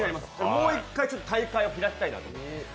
もう一回、大会を開きたいなと思って。